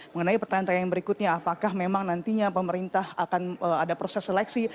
mengenai pertanyaan pertanyaan berikutnya apakah memang nantinya pemerintah akan ada proses seleksi